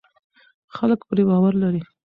خلک پرې باور لري.